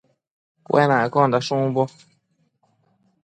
Cuenaccondash umbo